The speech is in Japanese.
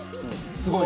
すごい！